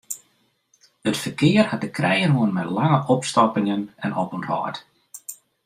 It ferkear hat te krijen hân mei lange opstoppingen en opûnthâld.